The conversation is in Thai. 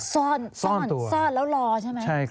แบบซ่อนแล้วรอใช่ไหม